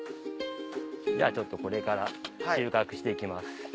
じゃあちょっとこれから収穫していきます。